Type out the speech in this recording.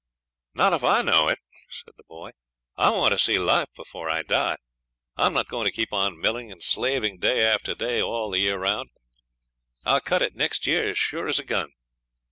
'Not if I know it,' said the boy; 'I want to see life before I die. I'm not going to keep on milling and slaving day after day all the year round. I'll cut it next year as sure as a gun.